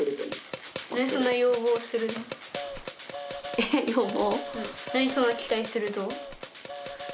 えっ要望？